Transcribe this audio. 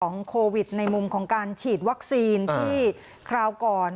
โควิดในมุมของการฉีดวัคซีนที่คราวก่อน